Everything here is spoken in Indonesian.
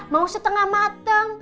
mau setengah mateng